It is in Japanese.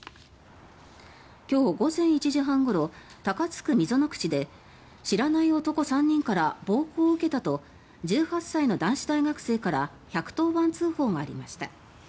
今日午前１時半ごろ高津区溝口で知らない男３人から暴行を受けたと１８歳の男子大学生から１１０番通報がありました。